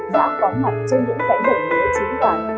đã có mặt trên những cánh đồng lúa chín vàng